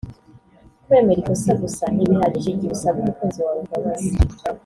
Kwemera ikosa gusa ntibihagije igihe usaba umukunzi wawe imbabazi